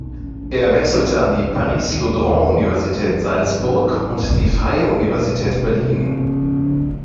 Er wechselte an die Paris-Lodron-Universität Salzburg und die Freie Universität Berlin.